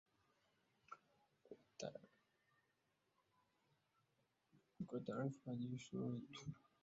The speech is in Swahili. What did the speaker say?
kwa taarifa zaidi tuungane na mwandishi wetu